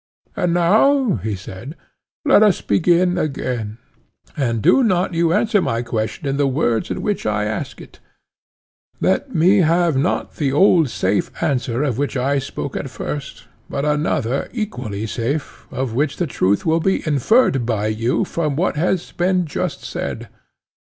And now, he said, let us begin again; and do not you answer my question in the words in which I ask it: let me have not the old safe answer of which I spoke at first, but another equally safe, of which the truth will be inferred by you from what has been just said.